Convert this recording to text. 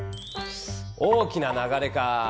「大きな流れ」か。